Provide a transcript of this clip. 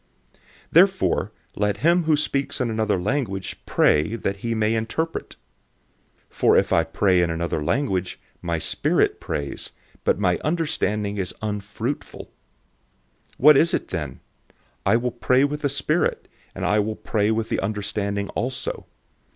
014:013 Therefore let him who speaks in another language pray that he may interpret. 014:014 For if I pray in another language, my spirit prays, but my understanding is unfruitful. 014:015 What is it then? I will pray with the spirit, and I will pray with the understanding also.